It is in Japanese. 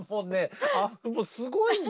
もうすごいんだ。